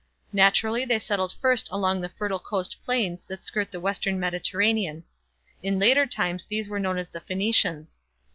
Naturally they settled first along the fertile coast plains that skirt the western Mediterranean. In later times these were known as the Phoenicians.